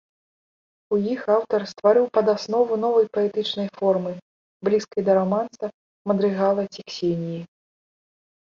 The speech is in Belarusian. У іх аўтар ствараў падаснову новай паэтычнай формы, блізкай да раманса, мадрыгала ці ксеніі.